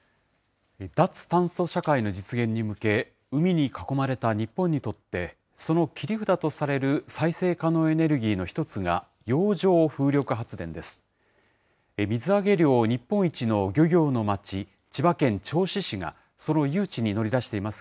脱炭素社会の実現に向け、海に囲まれた日本にとって、その切り札とされる再生可能エネルギーの一つが洋上風力発電です。